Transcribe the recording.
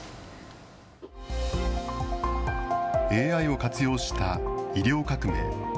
ＡＩを活用した医療革命。